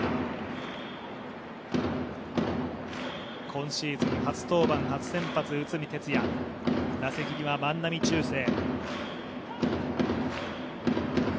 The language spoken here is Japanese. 今シーズン初登板初先発・内海哲也打席には万波中正。